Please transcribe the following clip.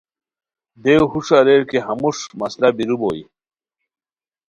دیو ہوݰ اریر کی ہموݰ مسئلہ بیرو بوئے